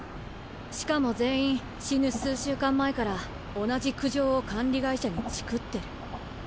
しかも全員死ぬ週数間前から同じ苦情を管理会社にチクってる。